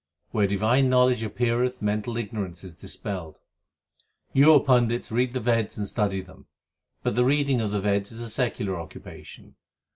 4 Where divine knowledge appeareth mental ignorance is dispelled. 4 You, O Pandits, read the Veds and study them, 4 But the reading of the Veds is a secular occupation.